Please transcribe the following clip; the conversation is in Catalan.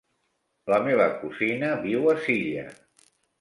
La meva cosina viu a Silla.